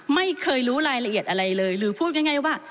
ไม่เคยรู้รายละเอียดอะไรเลยหรือพูดง่ายว่า